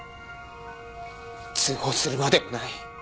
通報するまでもない。